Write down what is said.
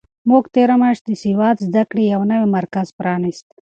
موږ تېره میاشت د سواد زده کړې یو نوی مرکز پرانیست.